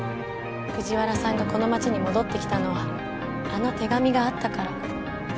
藤原さんがこの町に戻ってきたのはあの手紙があったから。